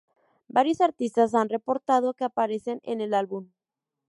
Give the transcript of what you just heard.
Varios artistas han reportado que aparecen en el álbum.